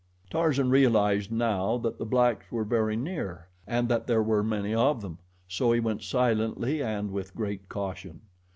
Tarzan realized now that the blacks were very near and that there were many of them, so he went silently and with great caution.